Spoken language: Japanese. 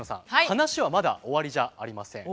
話はまだ終わりじゃありません。